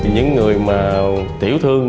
những người mà tiểu thương